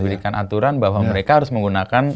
diberikan aturan bahwa mereka harus menggunakan